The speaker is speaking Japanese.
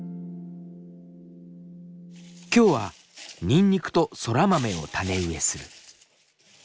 今日はにんにくとそら豆を種植えする。